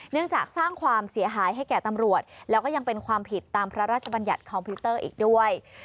จากสร้างความเสียหายให้แก่ตำรวจแล้วก็ยังเป็นความผิดตามพระราชบัญญัติคอมพิวเตอร์อีกด้วย